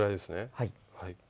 はい。